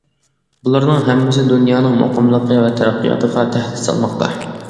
بۇلارنىڭ ھەممىسى دۇنيانىڭ مۇقىملىقى ۋە تەرەققىياتىغا تەھدىت سالماقتا.